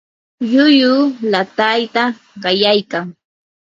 llulluu laatayta qallaykan.